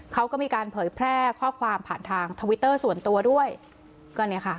เขาก็มีการเผยแพร่ข้อความผ่านทางทวิตเตอร์ส่วนตัวด้วยก็เนี่ยค่ะ